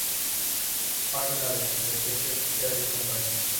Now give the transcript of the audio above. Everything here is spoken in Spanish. Página de "The Fletcher-TerryCompany"